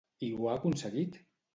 I ho ha aconseguit?